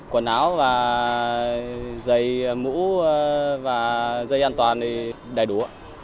quần áo và giày mũ và giày an toàn đầy đủ